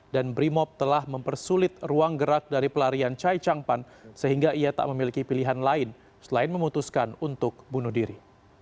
dan brimop telah mempersulit ruang gerak dari pelarian chai chang pan sehingga ia tak memiliki pilihan lain selain memutuskan untuk bunuh diri